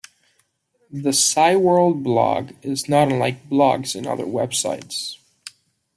The Cyworld blog is not unlike blogs in other websites.